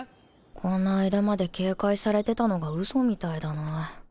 この間まで警戒されてたのがウソみたいだな